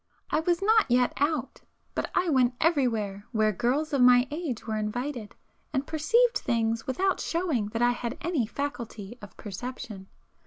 I was not yet 'out,' but I went everywhere where girls of my age were invited, and perceived things without showing that I had any faculty of perception.